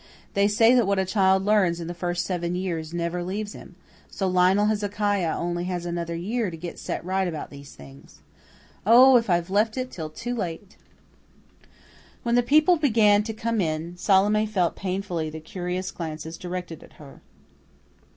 They say that what a child learns in the first seven years never leaves him; so Lionel Hezekiah has only another year to get set right about these things. Oh, if I've left it till too late!" When the people began to come in, Salome felt painfully the curious glances directed at her.